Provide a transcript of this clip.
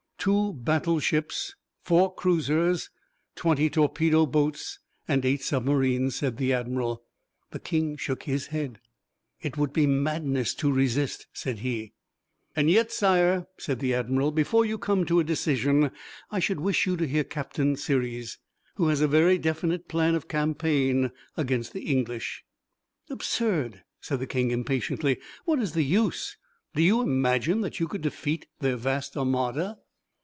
"Two battleships, four cruisers, twenty torpedo boats, and eight submarines," said the Admiral. The King shook his head. "It would be madness to resist," said he. "And yet, Sire," said the Admiral, "before you come to a decision I should wish you to hear Captain Sirius, who has a very definite plan of campaign against the English." "Absurd!" said the King, impatiently. "What is the use? Do you imagine that you could defeat their vast armada?"